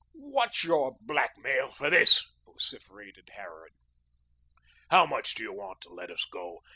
"What's your blackmail for this?" vociferated Harran. "How much do you want to let us go?